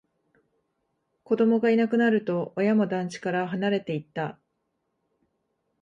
子供がいなくなると、親も団地から離れていった